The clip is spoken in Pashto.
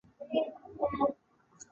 ویلسلي مقرر کړ.